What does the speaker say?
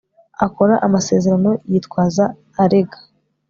akora amasezerano yitwaza arega